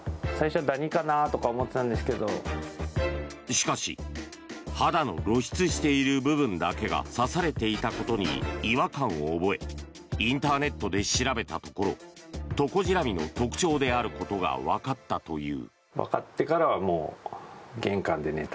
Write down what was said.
しかし肌の露出している部分だけが刺されていたことに違和感を覚えインターネットで調べたところトコジラミの特徴であることがわかったという。